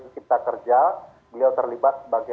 cipta kerja beliau terlibat sebagai